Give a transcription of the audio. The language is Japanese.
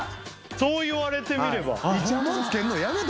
そう言われてみれば。